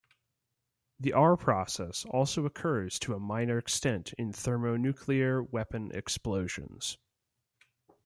The r-process also occurs to a minor extent in thermonuclear weapon explosions.